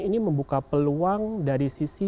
ini membuka peluang dari sisi